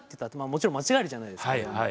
もちろん間違えるじゃないですか。